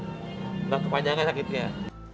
jangan kepanjangkan sakitnya